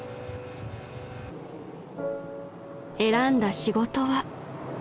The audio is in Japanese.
［選んだ仕事は］